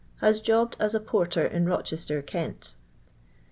Has jobbed as a porter in Bochester, Kent.